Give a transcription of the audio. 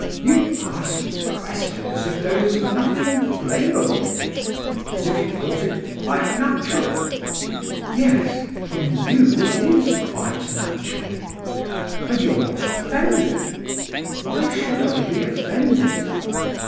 you asked the question as if there was nothing blameable in it—as if you thought it quite natural." "Yes... from you it is quite natural." "And you are not offended?" "Why should I be offended?"